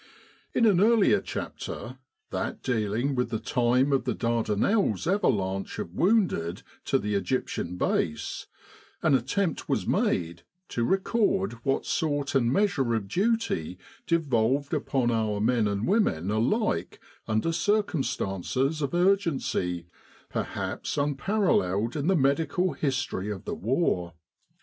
In an earlier chapter, that dealing with the time of the Dardanelles avalanche of wounded to the Egyptian Base, an attempt was made to record what sort and measure of duty devolved upon our men and women alike under circumstances of urgency perhaps un paralleled in the medical history of the war.